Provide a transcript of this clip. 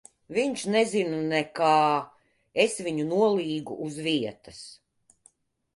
Viņš nezina nekā. Es viņu nolīgu uz vietas.